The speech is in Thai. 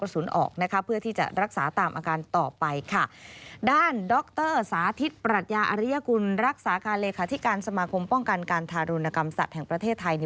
ศาสตร์การเลยค่ะที่การสมาคมป้องกันการทารุณกรรมสัตว์แห่งประเทศไทย